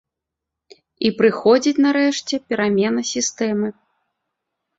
І прыходзіць, нарэшце, перамена сістэмы.